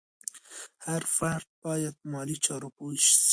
هر فرد باید په مالي چارو پوه شي.